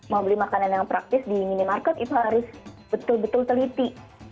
mau beli makanan yang praktis di minimarket itu harus betul betul teliti